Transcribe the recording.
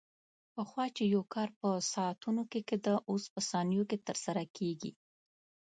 پخوا چې یو کار په ساعتونو کې کېده، اوس په ثانیو کې ترسره کېږي.